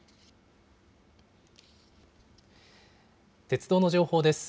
鉄道の情報です。